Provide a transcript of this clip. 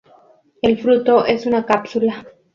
El fruto es una cápsula.